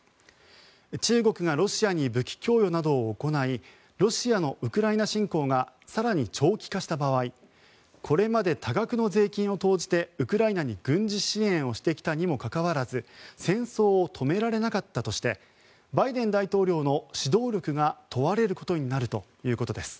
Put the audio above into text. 中国がロシアに武器供与などを行いロシアのウクライナ侵攻が更に長期化した場合これまで多額の税金を投じてウクライナに軍事支援をしてきたにもかかわらず戦争を止められなかったとしてバイデン大統領の指導力が問われることになるということです。